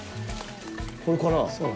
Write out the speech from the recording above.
これかな？